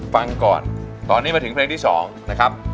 ฟังก่อนตอนนี้มาถึงเพลงที่๒นะครับ